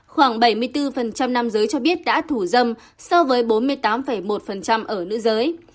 khoảng bảy mươi bốn nam giới cho biết đã thủ dâm so với bốn mươi tám một ở nữ giới